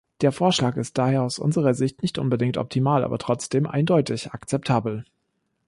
Der Vorschlag ist daher aus unserer Sicht nicht unbedingt optimal, aber trotzdem eindeutig akzeptabel.